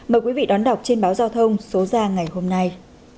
mời quý vị đón đọc trên báo giao thông số ra ngày hôm nay